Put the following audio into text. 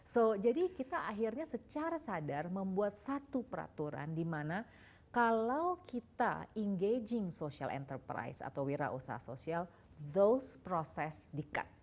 so jadi kita akhirnya secara sadar membuat satu peraturan di mana kalau kita engaging social enterprise atau wira usaha sosial thost process di cut